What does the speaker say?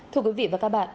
thưa quý vị và các bạn